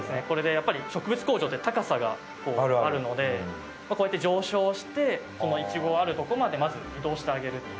これでやっぱり植物工場って高さがあるのでこうやって上昇してそのイチゴあるとこまでまず移動してあげる。